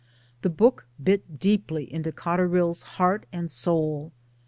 The book bit deeply into Cotter ill's heart and soul.